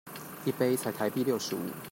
一杯才台幣六十五